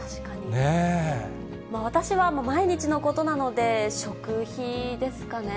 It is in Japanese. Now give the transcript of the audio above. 私は毎日のことなので、食費ですかね。